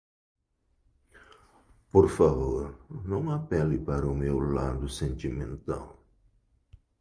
Por favor, não apele para o meu lado sentimental.